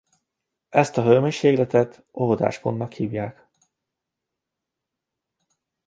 Ezt a hőmérsékletet olvadáspontnak hívják.